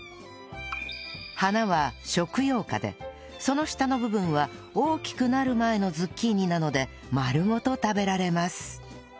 花は食用花でその下の部分は大きくなる前のズッキーニなので丸ごと食べられます